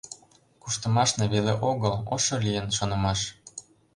Куштымашна веле огыл — Ошо лийын шонымаш.